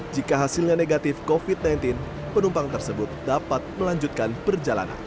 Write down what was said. jika hasilnya negatif covid sembilan belas penumpang tersebut dapat melanjutkan perjalanan